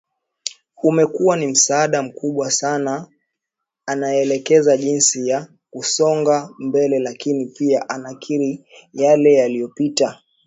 amekuwa ni msaada mkubwa sana anaelekeza jinsi ya kusonga mbele lakini pia anakiri yale yaliyopita